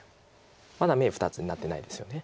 まだ眼２つになってないですよね。